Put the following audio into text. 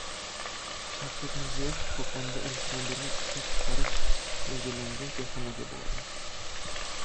Shavkat Mirziyoyev Qo‘qonda elektromobillar ishlab chiqarish mo‘ljallanayotgan korxonaga bordi